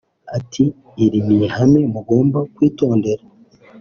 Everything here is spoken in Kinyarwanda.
Ati “ Iri ni hame mugomba kwitondera